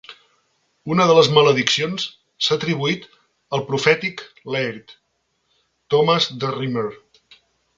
Una de les malediccions s'ha atribuït al profètic "laird", Thomas The Rhymer.